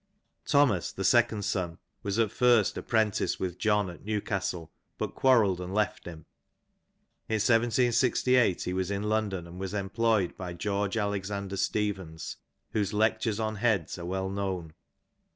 Thomas the second son was at first apprentice with John at New castle, but quarrelled and left him. In 1768 he was in London, and was employed by George Alexander Stevens, whose Lecture$ an Heads are well known.